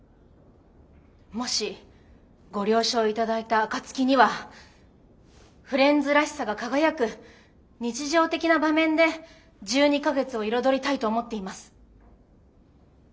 もしご了承頂いた暁にはフレンズらしさが輝く日常的な場面で１２か月を彩りたいと思っています。